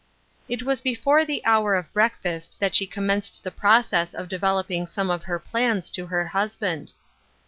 It was before the hour of breakfast that she commenced the process of developing some of her plans to her husband.